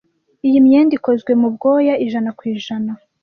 Iyi myenda ikozwe mu bwoya ijana ku ijana.